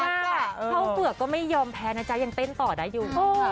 เข้าเฝือกก็ไม่ยอมแพ้นะจ๊ะยังเต้นต่อได้อยู่